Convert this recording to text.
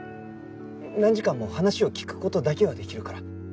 何時間も話を聞く事だけはできるから。